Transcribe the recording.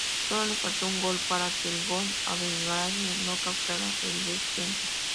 Sólo les faltó un gol para que el gol-average no causara el descenso.